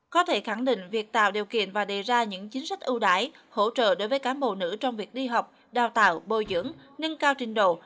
có thể khẳng định việc tạo điều kiện và đề ra những chính sách ưu đãi hỗ trợ đối với cán bộ nữ trong việc đi học đào tạo bồi dưỡng nâng cao trình độ